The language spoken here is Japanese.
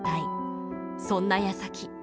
そんなやさき。